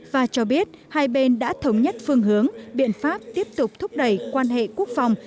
và cho biết hai bên đã thống nhất phương hướng biện pháp tiếp tục thúc đẩy quan hệ quốc phòng